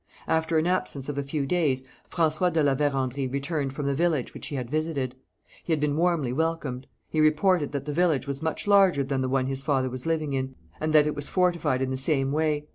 After an absence of a few days, François de La Vérendrye returned from the village which he had visited. He had been warmly welcomed. He reported that the village was much larger than the one his father was living in, and that it was fortified in the same way.